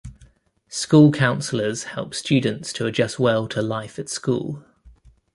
School counselors help students to adjust well to life at school.